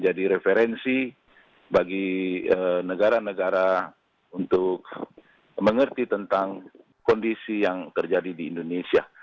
jadi referensi bagi negara negara untuk mengerti tentang kondisi yang terjadi di indonesia